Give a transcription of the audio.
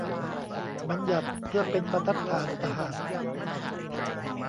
บัญญัติ เพื่อเป็น บรรทัดฐาน ตะหาก